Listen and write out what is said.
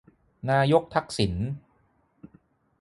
นายกทักษิณ